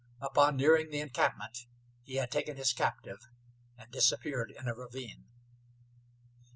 Upon nearing the encampment he had taken his captive and disappeared in a ravine.